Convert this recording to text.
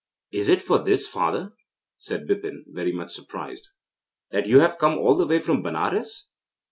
'Is it for this, father,' said Bipin, very much surprised, 'that you have come all the way from Benares?